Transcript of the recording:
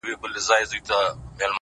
o نو د وجود،